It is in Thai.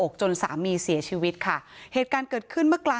จนสามีเสียชีวิตค่ะเหตุการณ์เกิดขึ้นเมื่อกลาง